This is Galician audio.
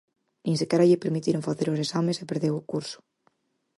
Nin sequera lle permitiron facer os exames e perdeu o curso.